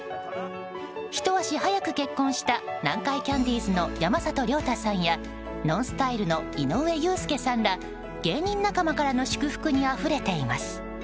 ひと足早く結婚した南海キャンディーズの山里亮太さんやＮＯＮＳＴＹＬＥの井上裕介さんら芸人仲間からの祝福にあふれています。